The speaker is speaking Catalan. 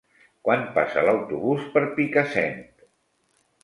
Quan passa l'autobús per Picassent?